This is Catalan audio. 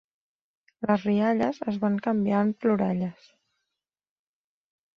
Les rialles es van canviar en ploralles.